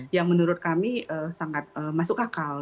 yang menurut kami sangat masuk akal